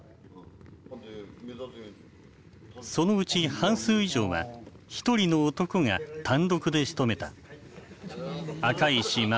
そのうち半数以上は一人の男が単独でしとめた。